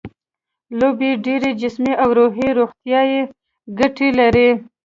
لوبې ډېرې جسمي او روحي روغتیايي ګټې لري.